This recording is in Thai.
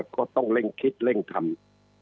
ก็ต้องเร่งคิดเร่งทำ